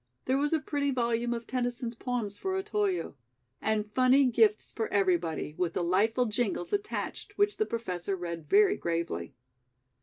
There was a pretty volume of Tennyson's poems for Otoyo; and funny gifts for everybody, with delightful jingles attached which the Professor read very gravely.